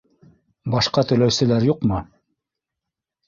Башҡа теләүселәр юҡмы?